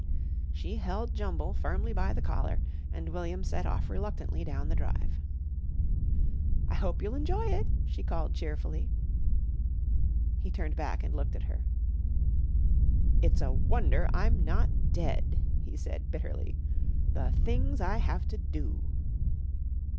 She held Jumble firmly by the collar, and William set off reluctantly down the drive. "I hope you'll enjoy it," she called cheerfully. He turned back and looked at her. "It's a wonder I'm not dead," he said bitterly, "the things I have to do!"